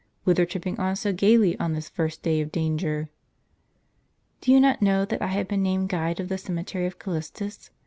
Whither tripping on so gaily on this first day of danger? "" Do you not know that I have been named guide of the cemetery of Callistus